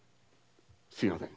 すみません。